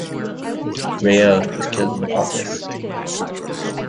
Rael is killed in the process.